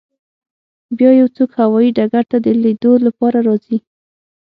بیا یو څوک هوایی ډګر ته د لیدو لپاره راځي